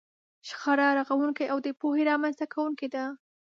شخړه رغونکې او د پوهې رامنځته کوونکې ده.